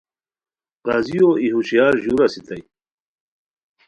قاضیو ای ہوشیار ژور اسیتائے